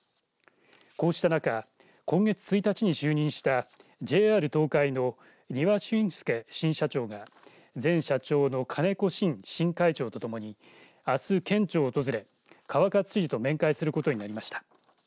こうした中今月１日に就任したＪＲ東海の丹羽俊介新社長が前社長の金子慎新会長と共にあす県庁を訪れ川勝知事と面会することになりました。